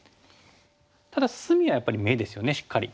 ただ隅はやっぱり眼ですよねしっかり。